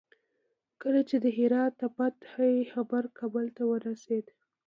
کله چې د هرات د فتح خبر کابل ته ورسېد.